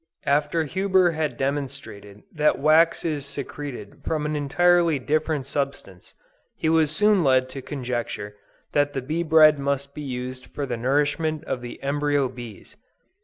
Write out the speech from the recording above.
After Huber had demonstrated that wax is secreted from an entirely different substance, he was soon led to conjecture that the bee bread must be used for the nourishment of the embryo bees.